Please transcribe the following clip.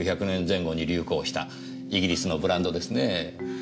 １９００年前後に流行したイギリスのブランドですねぇ。